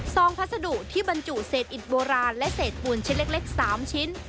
พัสดุที่บรรจุเศษอิดโบราณและเศษปูนชิ้นเล็ก๓ชิ้น